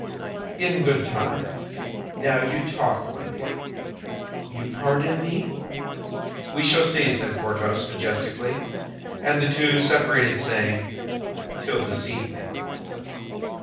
"In good time. Now you talk, my dear." "You pardon me?" "We shall see," said Porthos, majestically; and the two separated saying, "Till this evening."